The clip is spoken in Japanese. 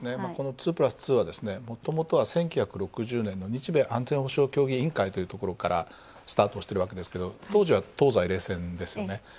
この２プラス２はもともとは１９６０年の日米安全保障協議委員会というところからスタートしてるわけですけど当時は東西冷戦ですよね。